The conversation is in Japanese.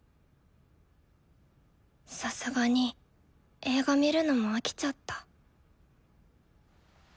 さすがに映画見るのも飽きちゃった。